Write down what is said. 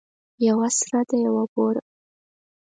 یوه سره ده یوه بوره.